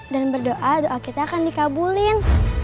dan berdoa doa kita akan dikabulin